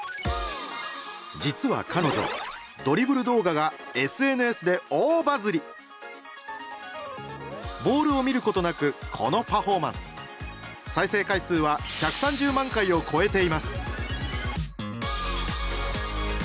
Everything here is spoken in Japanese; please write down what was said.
実は彼女ドリブル動画がボールを見ることなくこのパフォーマンス！再生回数は１３０万回を超えています！